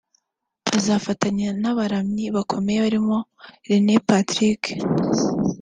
Azafatanya n’abaramyi bakomeye barimo Rene Patrick